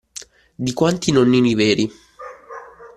Di quanti nonnini veri